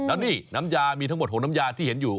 แล้วนี่น้ำยามีทั้งหมด๖น้ำยาที่เห็นอยู่